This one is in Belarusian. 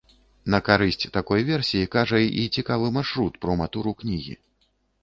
На карысць такой версіі кажа і цікавы маршрут прома-туру кнігі.